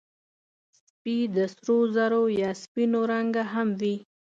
سپي د سرو زرو یا سپینو رنګه هم وي.